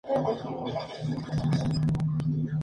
Cabe mencionar que cada entidad tiene su propio estilo.